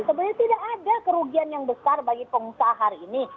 sebenarnya tidak ada kerugian yang besar bagi pengusaha hari ini